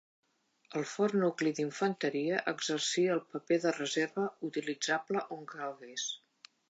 El fort nucli d'Infanteria exercia el paper de reserva utilitzable on calgués.